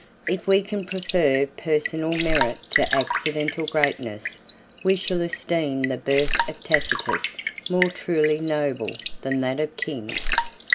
] If we can prefer personal merit to accidental greatness, we shall esteem the birth of Tacitus more truly noble than that of kings.